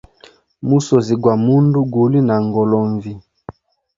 Musozi gwa mundu guli na ngolonvi.